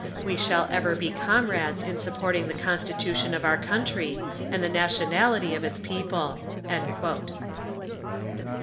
We shall ever be comrades in supporting the constitution of our country and the nationality of its people."